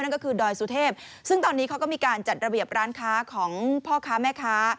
นั่นก็คือดอยสุเทพซึ่งตอนนี้เขาก็มีการจัดระเบียบร้านค้าของพ่อค้าแม่ค้า